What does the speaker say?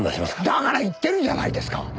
だから言ってるじゃないですか！